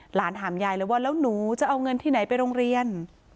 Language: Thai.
หลานถามยายเลยว่าแล้วหนูจะเอาเงินที่ไหนไปโรงเรียน